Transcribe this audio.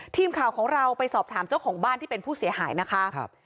ทีมข่าวของเราไปสอบถามเจ้าของบ้านที่เป็นผู้เสียหายนะคะ